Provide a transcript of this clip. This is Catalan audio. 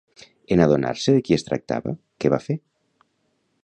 En adonar-se de qui es tractava, què va fer?